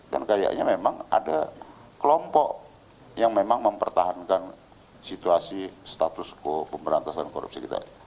dan kayaknya memang ada kelompok yang memang mempertahankan situasi status quo pemberantasan korupsi kita